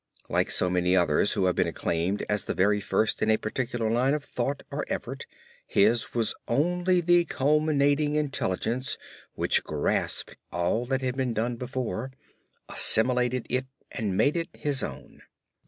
Like so many others who have been acclaimed as the very first in a particular line of thought or effort, his was only the culminating intelligence which grasped all that had been done before, assimilated it and made it his own.